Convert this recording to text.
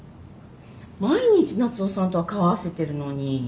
毎日夏雄さんとは顔合わせてるのに。